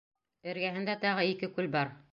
Эргәһендә тағы ике күл бар.